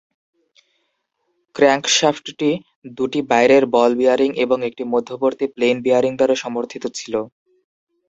ক্র্যাঙ্কশ্যাফটটি দুটি বাইরের বল বিয়ারিং এবং একটি মধ্যবর্তী প্লেইন বিয়ারিং দ্বারা সমর্থিত ছিল।